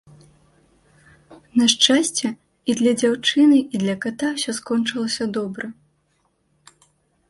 На шчасце, і для дзяўчыны, і для ката ўсё скончылася добра.